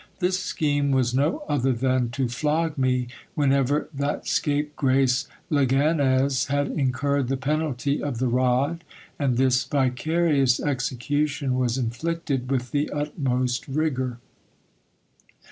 This scheme was no other than to flog me when ever that scape grace Leganez had incurred the penalty of the rod, and this vicarious execution was inflicted with the utmost rigour.